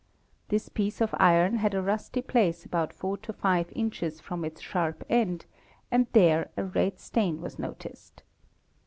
This piece of iron had a rusty place about 4 to 5 _ inches from its sharp end and there a red stain was noticed.